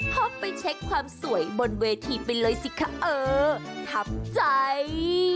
พกไปเช็คความสวยบนเวทีไปเลยสิคะเออทับใจ